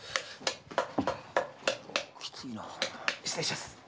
失礼しやす。